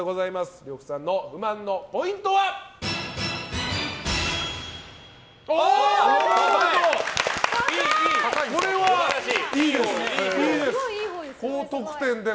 呂布さんの不満のポイントは７ポイント！